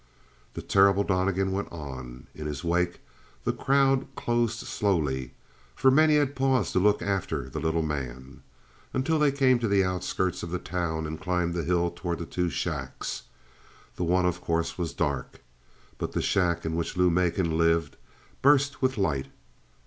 The terrible Donnegan went on. In his wake the crowd closed slowly, for many had paused to look after the little man. Until they came to the outskirts of the town and climbed the hill toward the two shacks. The one was, of course, dark. But the shack in which Lou Macon lived burst with light.